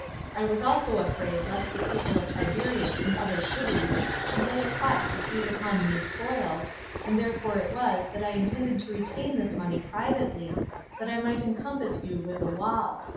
I was also afraid lest the people of Tiberias and other cities should lay a plot to seize upon these spoils, and therefore it was that I intended to retain this money privately, that I might encompass you with a wall.